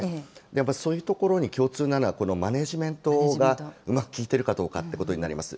やっぱそういうところに共通なのは、マネジメントがうまく効いているかどうかということになります。